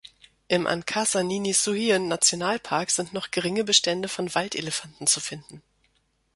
Im Ankasa-Nini-Suhien-Nationalpark sind noch geringe Bestände von Waldelefanten zu finden.